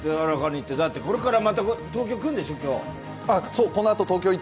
だってこれからまた東京来るんでしょう。